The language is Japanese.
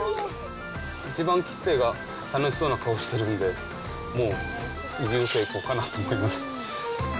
一番、結平が楽しそうな顔してるんで、もう、移住成功かなと思います。